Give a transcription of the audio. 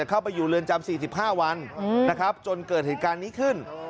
เข้าไปอยู่เรือนจำ๔๕วันนะครับจนเกิดเหตุการณ์นี้ขึ้น